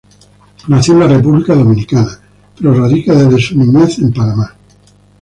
Nació en República Dominicana, pero radica desde su niñez en Panamá.